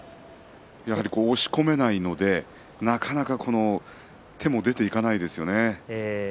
やはり押し込めないのでなかなか手も出ていかないですよね。